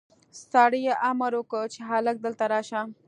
سړي امر وکړ چې هلک دلته راشه.